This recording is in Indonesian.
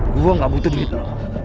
gue gak butuh duit